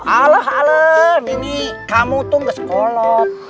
alah alah ini kamu tuh nggak sekolah